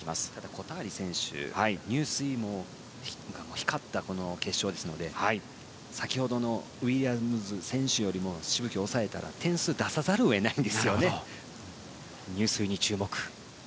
コターリ選手、入水も光ったこの決勝ですので先ほどのウィリアムズ選手よりもしぶきを抑えたら、点数を出さざるを得ないんですね。